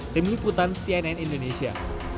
tim liputan cnn indonesia